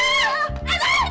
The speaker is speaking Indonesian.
anak gue kenal enak